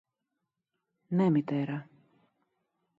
Ναι, Μητέρα!